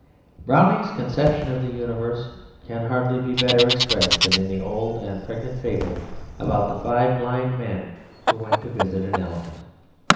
Browning's conception of the Universe can hardly be better expressed than in the old and pregnant fable about the five blind men who went to visit an elephant.